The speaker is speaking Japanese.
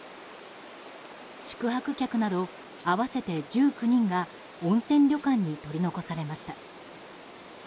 宿泊客など合わせて１９人が温泉旅館に取り残されました。